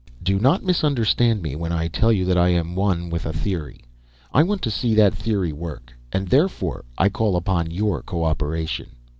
"Do not misunderstand me, when I tell you that I am one with a theory. I want to see that theory work, and therefore I call upon your cooperation.